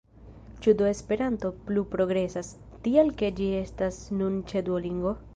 Ĉu do Esperanto pluprogresas, tial ke ĝi estas nun ĉe Duolingo?